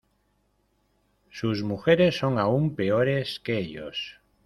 Sus mujeres, son aún peores que ellos.